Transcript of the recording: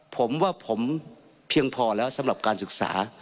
ผมว่าผมเพียงพอแล้วสำหรับการศึกษา